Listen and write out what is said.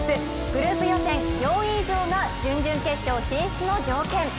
グループ予選４位以上が準々決勝進出の条件。